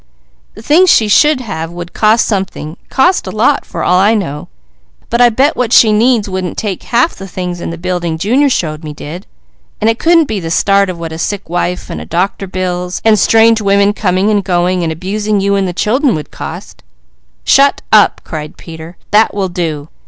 The things she should have would cost something, cost a lot for all I know, but I bet what she needs wouldn't take half the things in the building Junior showed me did; and it couldn't be the start of what a sick wife, and doctor bills, and strange women coming and going, and abusing you and the children would cost " "Shut up!" cried Peter. "That will do!